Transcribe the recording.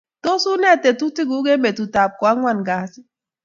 tos une tetutikuk eng' betutab ko ang'wan kasi